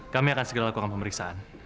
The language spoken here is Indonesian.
kami akan segera lakukan pemeriksaan